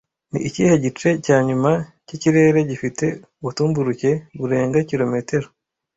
Ni ikihe gice cyanyuma cyikirere gifite ubutumburuke burenga kilometero